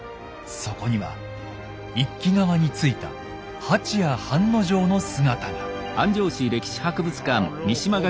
そこには一揆側についた蜂屋半之丞の姿が。